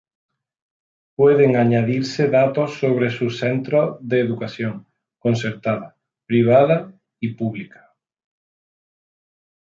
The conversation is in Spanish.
Pueden añadirse datos sobre sus centros de educación concertada, privada y pública.